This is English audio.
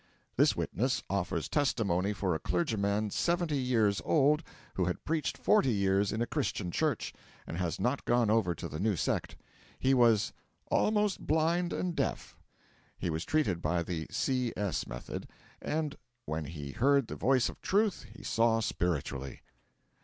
This witness offers testimony for a clergyman seventy years old who had preached forty years in a Christian church, and has not gone over to the new sect. He was 'almost blind and deaf.' He was treated by the C.S. method, and 'when he heard the voice of Truth he saw spiritually.'